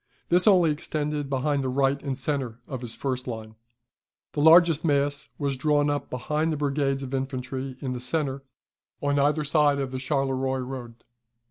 This only extended behind the right and centre of his first line. The largest mass was drawn up behind the brigades of infantry in the centre, on either side of the Charleroi road.